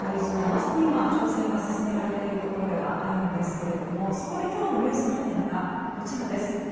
まさに今、調整が進められているところではあるんですがそこで今日のｎｅｗｓのハテナがこちらです。